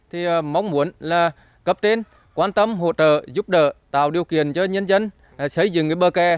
thì mong muốn là cấp trên quan tâm hỗ trợ giúp đỡ tạo điều kiện cho nhân dân xây dựng cái bờ kè